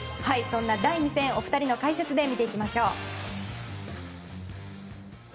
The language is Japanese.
そんな第２戦を、お二人の解説で見ていきましょう。